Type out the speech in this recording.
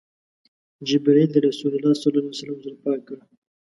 جبرئیل د رسول الله ﷺ زړه پاک کړ.